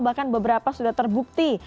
bahkan beberapa sudah terbukti